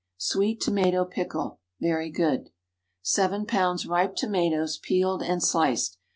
SWEET TOMATO PICKLE. (Very good.) ✠ 7 lbs. ripe tomatoes, peeled and sliced.